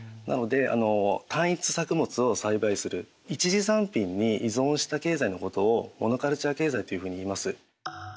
なので単一作物を栽培する一次産品に依存した経済のことをモノカルチャー経済っていうふうにいいます。